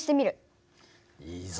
いいぞ。